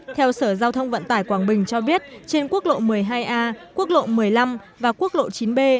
theo sở giao thông vận tải quảng bình cho biết trên quốc lộ một mươi hai a quốc lộ một mươi năm và quốc lộ chín b